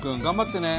頑張って！